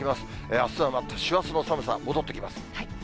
あすはまた師走の寒さ、戻ってきます。